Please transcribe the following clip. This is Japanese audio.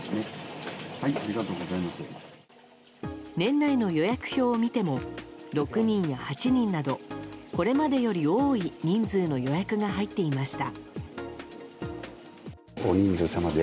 年内の予約表を見ても６人や８人などこれまでより多い人数の予約が入っていました。